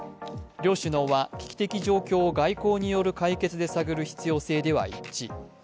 両首脳は危機的状況を外交による解決で探る必要性では一致。